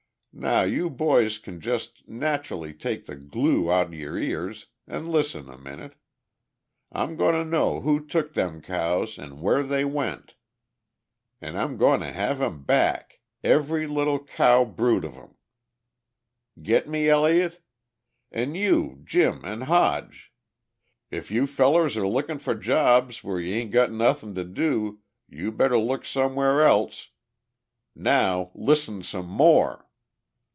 Now you boys can jest nacherally take the glue out'n your ears an' listen a minute: I'm goin' to know who took them cows an' where they went, an' I'm goin' to have 'em back, every little cow brute of 'em! Git me, Elliott? An' you, Jim an' Hodge? If you fellers are lookin' for jobs where you ain't got nothin' to do you better look somewhere else. Now, listen some more."